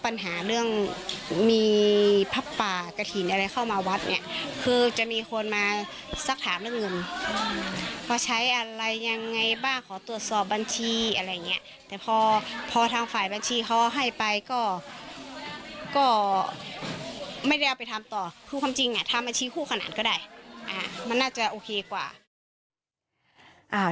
จริงถ้ามันชี้คู่ขนาดก็ได้มันน่าจะโอเคกว่า